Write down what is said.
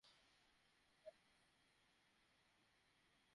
তুই কি আগের ঘটনা ভুলে গেছিস?